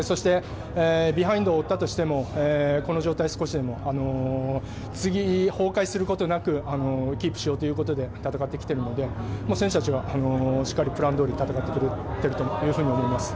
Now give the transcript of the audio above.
ビハインドを負ったとしてもこの状態を少しでも崩壊することなくキープしようと戦っているので選手たちはしっかりプランどおり戦ってくれていると思います。